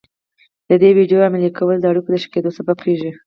د دې ويډيو عملي کول د اړيکو د ښه کېدو سبب کېږي.